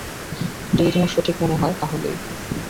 যদি তোমার সঠিক মনে হয়, তাহলেই।